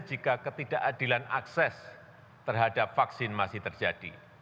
jika ketidakadilan akses terhadap vaksin masih terjadi